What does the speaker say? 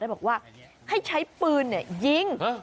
บอกว่าให้ใช้ปืนยิง